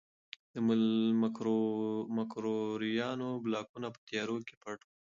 د مکروریانو بلاکونه په تیاره کې پټ وو.